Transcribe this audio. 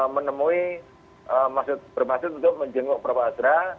menemui masjid masjid untuk menjenguk prabu azra